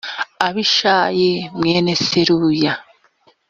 abishayi k mwene seruya